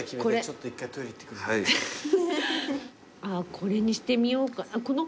これにしてみようかなこの。